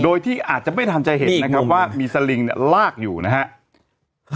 โดยที่อาจจะไม่ทันจะเห็นนะครับว่ามีสลิงลากอยู่นะครับ